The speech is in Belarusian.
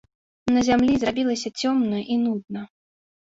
На зямлі зрабілася цёмна і нудна.